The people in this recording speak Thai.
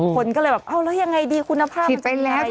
คนก็เลยว่าแล้วยังไงดีคุณภาพ